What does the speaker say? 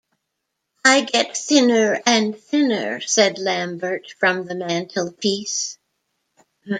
"I get thinner and thinner," said Lambert from the mantelpiece.